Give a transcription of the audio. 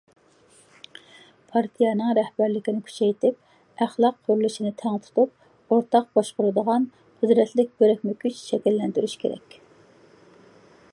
پارتىيەنىڭ رەھبەرلىكىنى كۈچەيتىپ، ئەخلاق قۇرۇلۇشىنى تەڭ تۇتۇپ ئورتاق باشقۇرىدىغان قۇدرەتلىك بىرىكمە كۈچ شەكىللەندۈرۈش كېرەك.